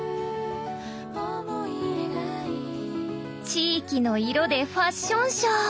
地域の色でファッションショー！